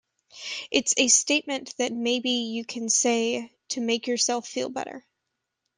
It's a statement that maybe you can say to make yourself feel better.